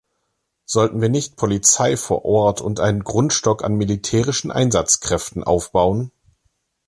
Sollten wir nicht Polizei vor Ort und einen Grundstock an militärischen Einsatzkräften aufbauen?